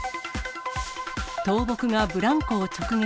倒木がブランコを直撃。